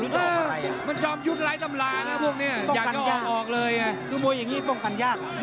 สุขยัตรมวยไทยรัสนะครับ